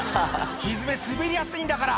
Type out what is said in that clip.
「ひづめ滑りやすいんだから」